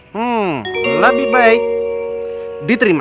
hmm lebih baik diterima